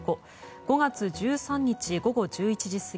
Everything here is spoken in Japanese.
５月１３日午後１時過ぎ。